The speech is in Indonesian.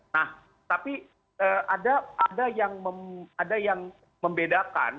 nah tapi ada yang membedakan